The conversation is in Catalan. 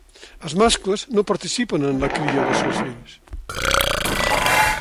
Els mascles no participen en la cria dels seus fills.